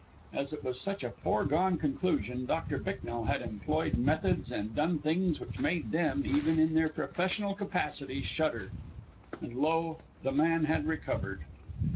As it was such a foregone conclusion, Doctor Bicknell had employed methods and done things which made them, even in their professional capacities, shudder. And lo! the man had recovered.